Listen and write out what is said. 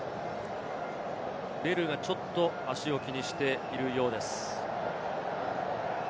ベルがちょっと足を気にしているようです。